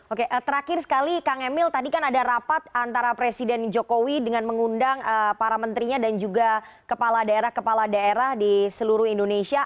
oke terakhir sekali kang emil tadi kan ada rapat antara presiden jokowi dengan mengundang para menterinya dan juga kepala daerah kepala daerah di seluruh indonesia